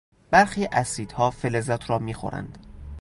برخی اسیدها فلزات را میخورند.